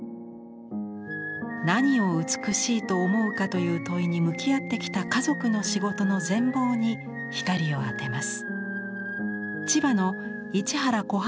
「何を美しいと思うか」という問いに向き合ってきた家族の仕事の全貌に光を当てます。